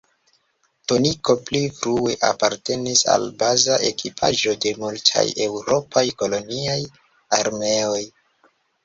Toniko pli frue apartenis al baza ekipaĵo de multaj eŭropaj koloniaj armeoj.